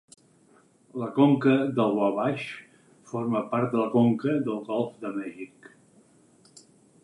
La conca del Wabash forma part de la conca del Golf de Mèxic.